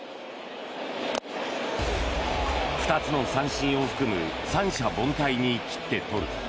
２つの三振を含む三者凡退に切って取る。